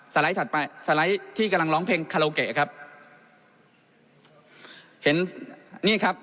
ไลด์ถัดไปสไลด์ที่กำลังร้องเพลงคาโลเกะครับเห็นนี่ครับ